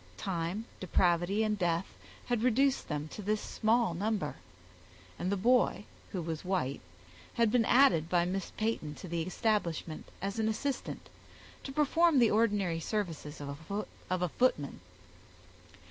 Time, depravity, and death had reduced them to this small number; and the boy, who was white, had been added by Miss Peyton to the establishment, as an assistant, to perform the ordinary services of a footman.